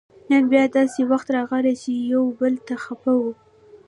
نن بیا داسې وخت راغی چې یو بل ته خپه وو